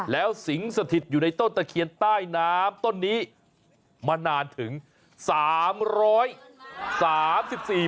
แล้วสิงสถิตอยู่ในต้นตะเคียนใต้น้ำต้นนี้มานานถึง๓๓๔ปี